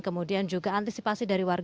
kemudian juga antisipasi dari warga